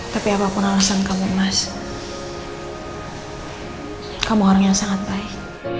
tapi apapun alasan kamu mas kamu orang yang sangat baik